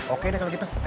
oke deh kalau gitu ayo